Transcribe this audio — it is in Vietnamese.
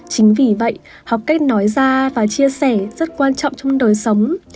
chính vì vậy học cách nói ra và chia sẻ rất quan trọng trong đời sống